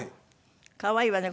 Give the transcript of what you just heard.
可愛いわね。